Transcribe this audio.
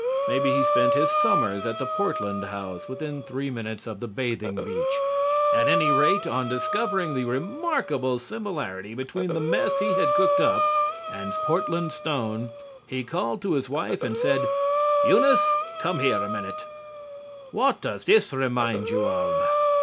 Maybe he spent his summers at the Portland House, within three minutes of the bathing beach.) At any rate, on discovering the remarkable similarity between the mess he had cooked up and Portland stone, he called to his wife and said: "Eunice, come here a minute! What does this remind you of?"